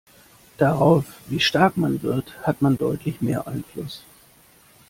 Darauf, wie stark man wird, hat man deutlich mehr Einfluss.